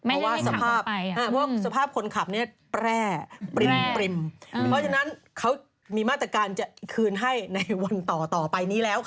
เพราะว่าสภาพคนขับเนี่ยแปรปริ่มเพราะฉะนั้นเขามีมาตรการจะคืนให้ในวันต่อไปนี้แล้วค่ะ